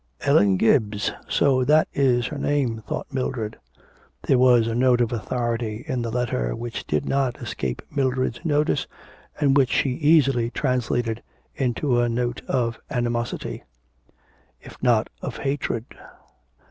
'Ellen Gibbs, so that is her name,' thought Mildred. There was a note of authority in the letter which did not escape Mildred's notice and which she easily translated into a note of animosity, if not of hatred.